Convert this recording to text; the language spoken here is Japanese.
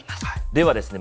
ではですね